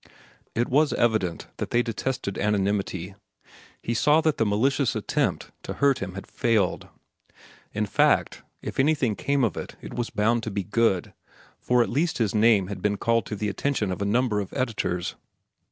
It was evident that they detested anonymity. He saw that the malicious attempt to hurt him had failed. In fact, if anything came of it, it was bound to be good, for at least his name had been called to the attention of a number of editors.